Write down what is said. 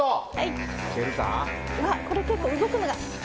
これ結構動くんだ。